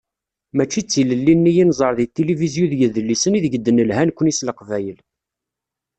Mačči d tilelli-nni i nẓer deg tilifizyu d yidlisen i deg d-nelha nekkni s leqbayel.